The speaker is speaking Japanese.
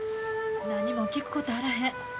何も聞くことあらへん。